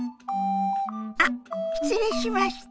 あっ失礼しました。